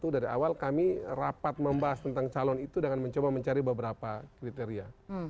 dari awal kami rapat membahas tentang calon itu dengan mencoba mencari beberapa kriteria